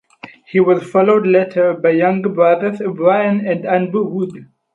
He was followed later by younger brothers Brian and Andrew Wood.